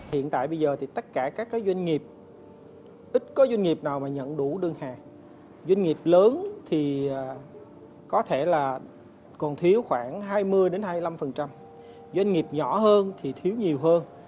hiện tại bây giờ thì tất cả các doanh nghiệp ít có doanh nghiệp nào mà nhận đủ đơn hàng doanh nghiệp lớn thì có thể là còn thiếu khoảng hai mươi hai mươi năm doanh nghiệp nhỏ hơn thì thiếu nhiều hơn